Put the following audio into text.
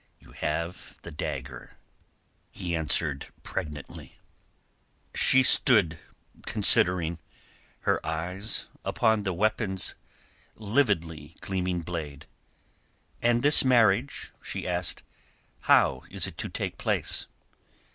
"You have the dagger," he answered pregnantly. She stood considering, her eyes upon the weapon's lividly gleaming blade. "And this marriage?" she asked. "How is it to take place?"